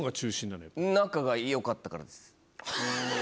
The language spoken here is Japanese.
仲がよかったからです。